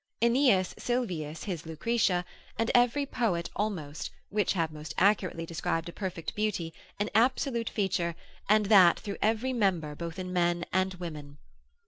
Aeneas Sylvius his Lucretia, and every poet almost, which have most accurately described a perfect beauty, an absolute feature, and that through every member, both in men and women.